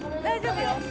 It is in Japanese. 大丈夫よ。